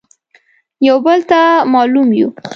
يو بل ته مالوم يو.